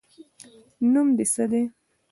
نوم دې څه ده؟